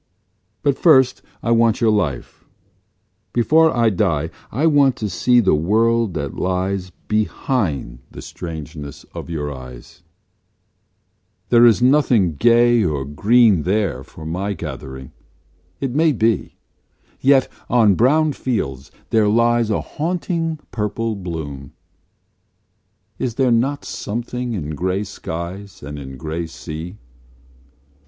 But first I want your life: before I die I want to see The world that lies behind the strangeness of your eyes, There is nothing gay or green there for my gathering, it may be, Yet on brown fields there lies A haunting purple bloom: is there not something in grey skies And in grey sea?